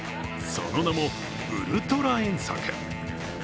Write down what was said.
その名も、ウルトラ遠足。